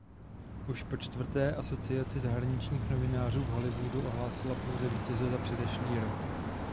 Už počtvrté Asociace zahraničních novinářů v Hollywoodu ohlásila pouze vítěze za předešlý rok.